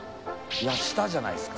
いや下じゃないですか？